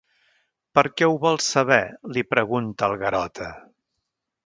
Per què ho vols saber? —li pregunta el Garota.